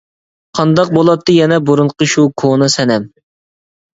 -قانداق بولاتتى يەنە بۇرۇنقى شۇ كونا سەنەم.